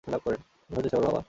বোঝার চেষ্টা করো, বাবা।